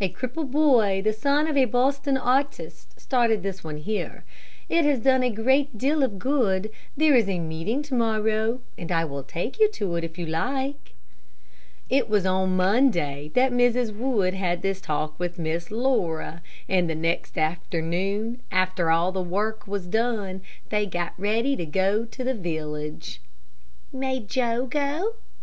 A cripple boy, the son of a Boston artist, started this one here. It has done a great deal of good. There is a meeting to morrow, and I will take you to it if you like." It was on Monday that Mrs. Wood had this talk with Miss Laura, and the next afternoon, after all the work was done, they got ready to go to the village. "May Joe go?"